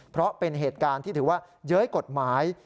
เพราะเป็นเหตุการณ์ที่ถือว่าเย้ยกฎหมาย